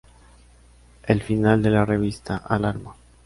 El final de la revista "Alarma!